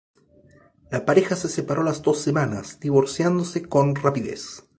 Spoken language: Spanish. La pareja se separó a las dos semanas, divorciándose con rapidez.